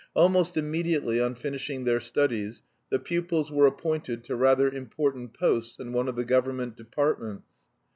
Almost immediately on finishing their studies the pupils were appointed to rather important posts in one of the government departments.